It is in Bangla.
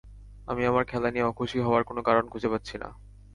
আমি আমার খেলা নিয়ে অখুশি হওয়ার কোনো কারণ খুঁজে পাচ্ছি না।